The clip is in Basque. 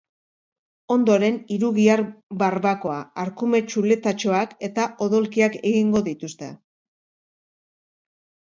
Ondoren, hirugihar barbakoa, arkume txuletatxoak eta odolkiak egingo dituzte.